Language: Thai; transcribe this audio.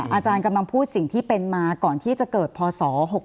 อาจารย์กำลังพูดสิ่งที่เป็นมาก่อนที่จะเกิดพศ๖๖